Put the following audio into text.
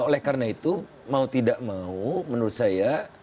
oleh karena itu mau tidak mau menurut saya